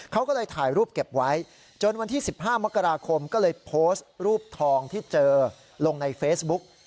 เขาก็เลยถ่ายรูปเก็บไว้จนวันที่๑๕มกราคมก็เลยโพสต์รูปทองที่เจอลงในเฟซบุ๊ก